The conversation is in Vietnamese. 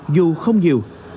dù không nhiều